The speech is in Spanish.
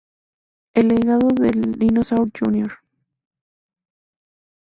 El legado de Dinosaur Jr.